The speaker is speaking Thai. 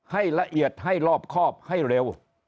ให้ละเอียดให้รอบครอบให้เร็ว